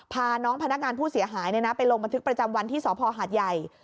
พาน้องพนักงานผู้เสียหายไปลงบันทึกประจำวันที่สพหาดใหญ่